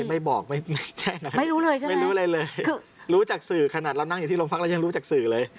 ไม่บอกไม่แจ้งอะไรไม่รู้เลยใช่ไหมไม่รู้อะไรเลยรู้จากสื่อขนาดเรานั่งอยู่ที่โรงพักแล้วยังรู้จากสื่อเลย